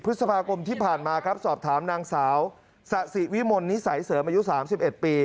พฤศพากรมที่ผ่านมาครับสอบถามนางสาวสะสิวิมนนิสัยเสริมอายุสามสิบเอ็ดปี